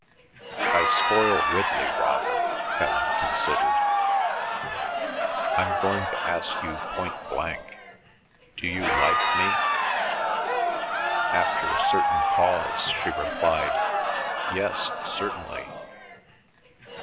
"I spoil Ridley rather," Helen considered. "I'm going to ask you point blank—do you like me?" After a certain pause, she replied, "Yes, certainly."